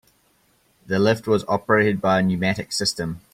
The lift was operated by a pneumatic system.